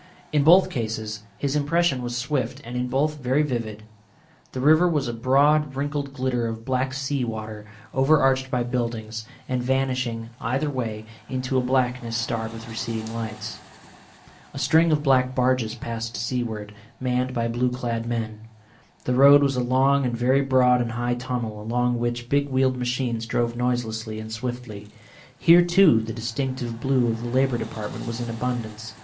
In both cases his impression was swift and in both very vivid. The river was a broad wrinkled glitter of black sea water, overarched by buildings, and vanishing either way into a blackness starred with receding lights. A string of black barges passed seaward, manned by blue clad men. The road was a long and very broad and high tunnel, along which big wheeled machines drove noiselessly and swiftly. Here, too, the distinctive blue of the Labour Department was in abundance.